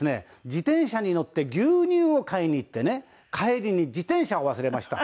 自転車に乗って牛乳を買いに行ってね帰りに自転車を忘れました。